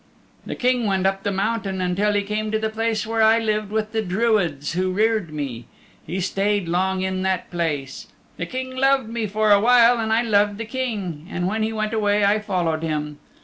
"The King went up the mountain until he came to the place where I lived with the Druids who reared me. He stayed long in that place. The King loved me for a while and I loved the King, and when he went away I followed him.